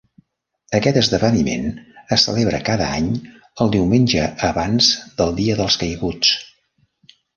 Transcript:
Aquest esdeveniment es celebra cada any, el diumenge abans del Dia dels Caiguts.